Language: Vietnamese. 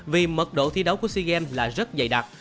vì mật độ thi đấu của sea games là rất dày đặc